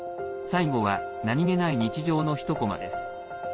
最後は何気ない日常の一コマです。